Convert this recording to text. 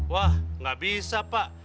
wah gak bisa pak